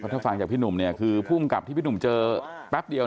ถ้าฟังจากพี่หนุ่มเนี่ยคือภูมิกับที่พี่หนุ่มเจอแป๊บเดียว